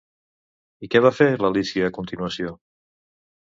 I què va fer l'Alícia a continuació?